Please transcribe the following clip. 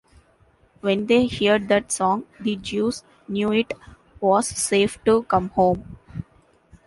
When they heard that song, the Jews knew it was safe to come home.